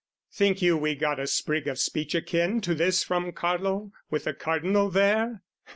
Think you we got a sprig of speech akin To this from Carlo, with the Cardinal there?